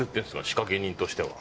仕掛け人としては。